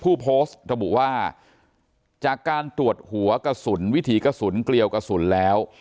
ผู้โพสต์ระบุว่าจากการตรวจหัวกระสุนวิถีกระสุนเกลียวกระสุนแล้ว